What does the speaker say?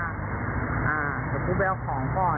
เดี๋ยวกูไปเอาของก่อน